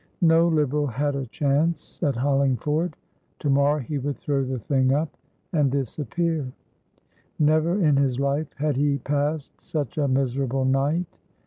No Liberal had a chance at Hollingford. To morrow he would throw the thing up, and disappear. Never in his life had he passed such a miserable night.